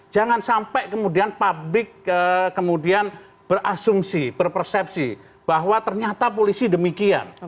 jangan sampai kemudian publik kemudian berasumsi berpersepsi bahwa ternyata polisi demikian